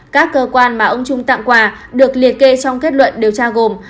các cơ quan mà ông trung tặng quà được liệt kê trong kết luận điều tra gồm